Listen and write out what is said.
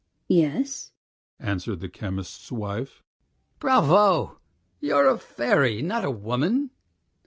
"Yes," answered the chemist's wife. "Bravo! You're a fairy, not a woman!